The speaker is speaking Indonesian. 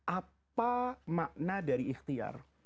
apa makna dari ikhtiar